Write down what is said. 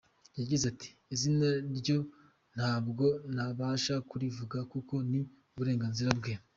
Yagize ati: “Izina ryo ntabwo nabasha kurivuga kuko ni uburenganzira bwe.